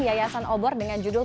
yayasan obor dengan judul